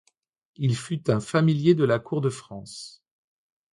Il fut un familier de la cour de France.